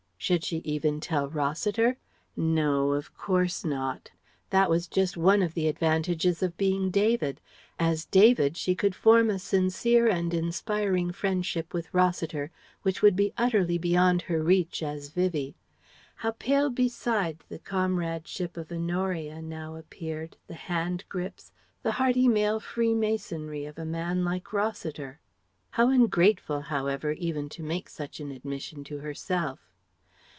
Should she even tell Rossiter? No, of course not. That was just one of the advantages of being "David." As "David" she could form a sincere and inspiring friendship with Rossiter which would be utterly beyond her reach as "Vivie." How pale beside the comradeship of Honoria now appeared the hand grips, the hearty male free masonry of a man like Rossiter. How ungrateful however even to make such an admission to herself....